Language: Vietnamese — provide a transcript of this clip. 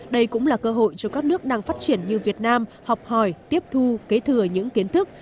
đây cũng là cơ hội cho các nước đang phát triển như việt nam học hỏi tiếp thu kế thừa những kiến thức